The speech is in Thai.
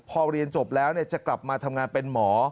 พอเรียนจบแล้วจะกลับมาทำงานเป็นหมอ